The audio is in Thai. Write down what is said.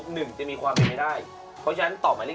หรือว่ามันใช่๓กิโลเมตร